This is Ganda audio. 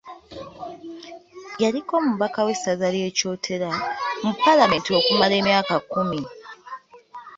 Yaliko omubaka w’essaza ly’e Kyotera mu Palamenti okumala emyaka kkumi.